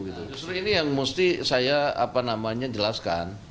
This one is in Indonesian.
justru ini yang mesti saya jelaskan